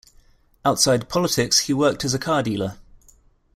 Outside politics he worked as a car dealer.